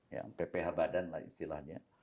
ya pph badan lah istilahnya